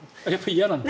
嫌なんだ？